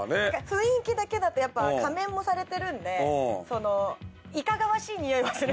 雰囲気だけだとやっぱ仮面もされてるんでいかがわしいにおいはする。